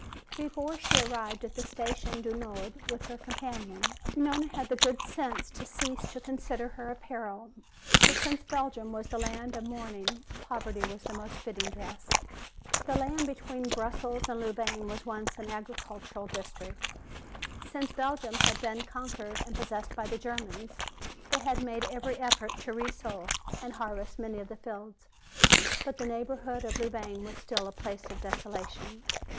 Before she arrived at the Station du Nord with her companion, Nona had the good sense to cease to consider her apparel. For since Belgium was a land of mourning, poverty was the most fitting dress. The land between Brussels and Louvain was once an agricultural district. Since Belgium had been conquered and possessed by the Germans, they had made every effort to resow and harvest many of the fields. But the neighborhood of Louvain was still a place of desolation.